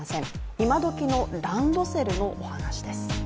今どきのランドセルのお話です。